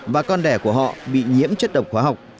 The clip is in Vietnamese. và con đẻ của họ bị nhiễm chất độc hóa học